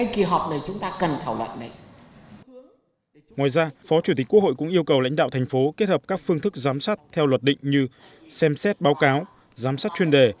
phó chủ tịch quốc hội tòng thị phóng cũng đặt ra các vấn đề